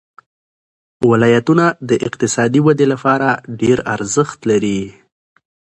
ولایتونه د اقتصادي ودې لپاره ډېر ارزښت لري.